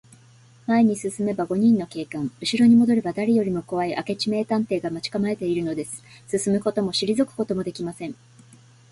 前に進めば五人の警官、うしろにもどれば、だれよりもこわい明智名探偵が待ちかまえているのです。進むこともしりぞくこともできません。